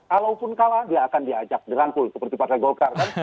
kalaupun kalah dia akan diajak dirangkul seperti partai golkar kan